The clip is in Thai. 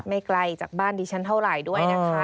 ไกลจากบ้านดิฉันเท่าไหร่ด้วยนะคะ